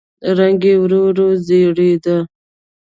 رنګ يې ورو ورو زېړېده.